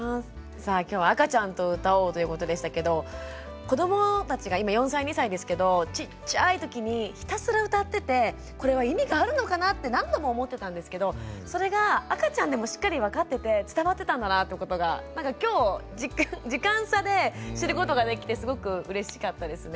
さあ今日は「赤ちゃんと歌おう！」ということでしたけど子どもたちが今４歳２歳ですけどちっちゃいときにひたすら歌っててこれは意味があるのかなって何度も思ってたんですけどそれが赤ちゃんでもしっかり分かってて伝わってたんだなってことがなんか今日時間差で知ることができてすごくうれしかったですね。